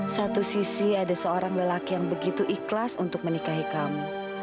satu sisi ada seorang lelaki yang begitu ikhlas untuk menikahi kamu